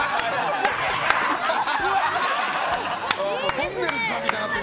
とんねるずさんみたいになってる。